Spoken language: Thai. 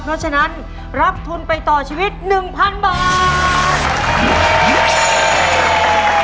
เพราะฉะนั้นรับทุนไปต่อชีวิต๑๐๐๐บาท